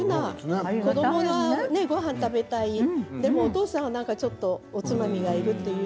子どもはごはん食べたいお父さんはちょっとおつまみがいる。